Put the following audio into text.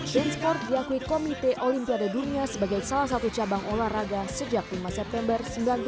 sport diakui komite olimpiade dunia sebagai salah satu cabang olahraga sejak lima september seribu sembilan ratus sembilan puluh